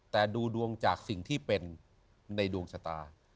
แต่ดูดวงจากสิ่งที่เป็นในดวงชะตา